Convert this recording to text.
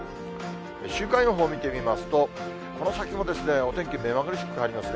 週間予報を見てみますと、この先もお天気、目まぐるしく変わりますね。